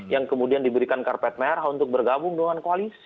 yang kemudian diberikan karpet merah untuk bergabung dengan koalisi